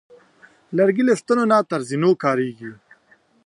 لرګی له ستنو نه تر زینو کارېږي.